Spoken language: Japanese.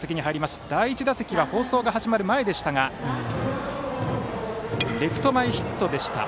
第１打席は放送が始まる前でしたがレフト前ヒットでした。